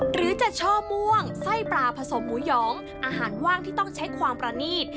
หรือจะช่อม่วงไส้ปลาผสมหมูหยองอาหารว่างที่ต้องใช้ความประนีต